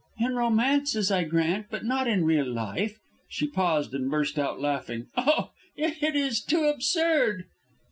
"In romances, I grant, but not in real life." She paused and burst out laughing. "Oh, it is too absurd."